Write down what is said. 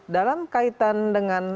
dalam kaitan dengan